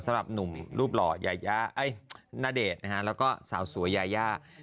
สำหรับหนุ่มรูปหล่อยายาณเดชน์แล้วก็สาวสวยยายา